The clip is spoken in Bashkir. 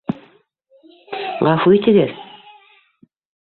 - Ғәфү итегеҙ...